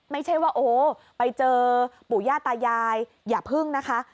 ไม่ใช่ว่าโอ้โหไปเจอปู่ย่าตายายอย่าพึ่งนะคะ